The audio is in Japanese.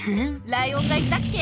ライオンがいたっけ？